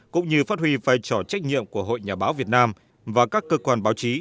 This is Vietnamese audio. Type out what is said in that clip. cũng như phát huy vai trò trách nhiệm của hội nhà báo việt nam và các cơ quan báo chí